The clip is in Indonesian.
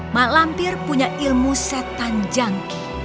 mak lampir punya ilmu setan jangki